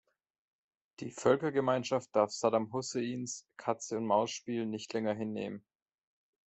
Die Völkergemeinschaft darf Saddam Husseins Katzeund Mausspiel nicht länger hinnehmen.